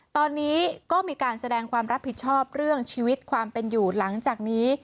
ตอนนี้ก็มีการแสดงความรับผิดชอบเรื่องชีวิตความเป็นอยู่หลังจากนี้